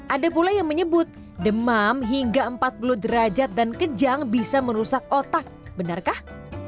ada pula yang menyebut demam hingga empat puluh derajat dan kejang bisa merusak otak benarkah